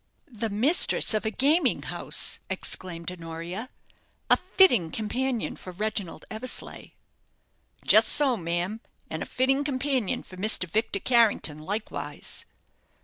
'" "The mistress of a gaming house!" exclaimed Honoria. "A fitting companion for Reginald Eversleigh!" "Just so, ma'am; and a fitting companion for Mr. Victor Carrington likewise."